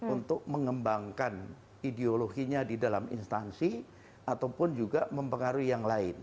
untuk mengembangkan ideologinya di dalam instansi ataupun juga mempengaruhi yang lain